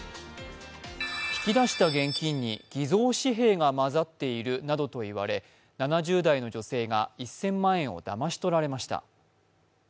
引き出した現金に偽造紙幣が交ざっているなどと言われ７０代の女性が１０００万円をだまし取られました。